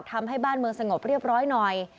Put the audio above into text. ทำให้บ้านเมืองสงบเรียบร้อยหน่อย